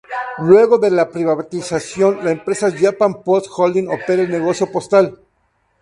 Luego de la privatización, la empresa Japan Post Holdings opera el negocio postal.